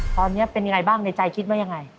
ตอนนี้เป็นยังไงบ้างในใจคิดว่ายังไง